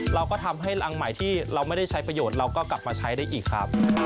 เราก็ทำให้รังใหม่ที่เราไม่ได้ใช้ประโยชน์เราก็กลับมาใช้ได้อีกครับ